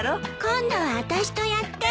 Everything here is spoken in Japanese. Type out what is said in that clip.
今度は私とやって。